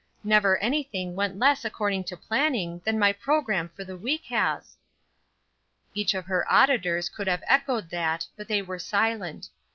Never anything went less according to planning than my programme for the week has." Each of her auditors could have echoed that, but they were silent.